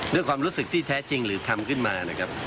ด้วยความรู้สึกที่แท้จริงหรือทำขึ้นมานะครับ